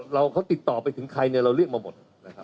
เราก็ติดต่อไปถึงใครเนี่ยไปเลือกมาหมดนะครับ